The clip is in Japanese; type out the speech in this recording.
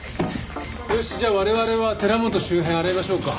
よしじゃあ我々は寺本周辺洗いましょうか。